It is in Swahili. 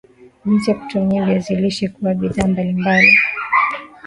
jinsi ya kutumia ya Viazi lishe kuwa bidhaa mbalimbali